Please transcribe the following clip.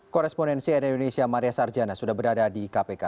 koresponen cnn indonesia maria sarjana sudah berada di kpk